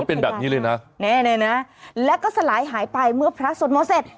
อ๋อเป็นแบบนี้เลยนะแน่นะแล้วก็สลายหายไปเมื่อพระสวดมอเศษ